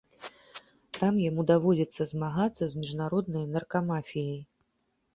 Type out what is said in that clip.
Там яму даводзіцца змагацца з міжнароднай наркамафіяй.